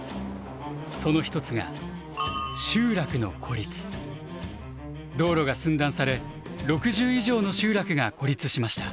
その一つが道路が寸断され６０以上の集落が孤立しました。